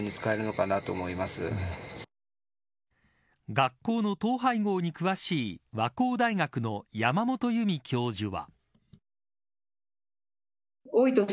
学校の統廃合に詳しい和光大学の山本由美教授は。